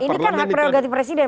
ini kan hak prerogatif presiden